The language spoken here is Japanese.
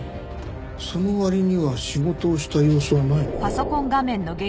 その割には仕事をした様子はないね。